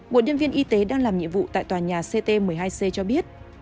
một nhân viên y tế đang làm nhiệm vụ tại tòa nhà ct một mươi hai c cho biết